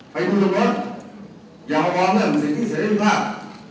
ไปดูรถอย่ามาบอกเรื่องสิ่งที่เสียได้ไม่ภาพ